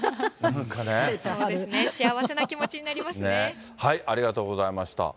そうですね、幸せな気持ちにはい、ありがとうございました。